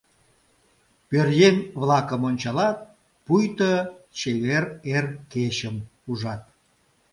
Пӧръеҥ-влакым ончалат — пуйто чевер эр кечым ужат!